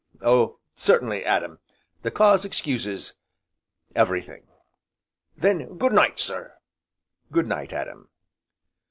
"Oh certainly, Adam! the cause excuses everything." "Then, good night, sir!" "Good night, Adam!"